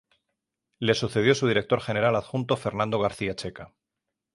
Le sucedió su director general adjunto Fernando García Checa.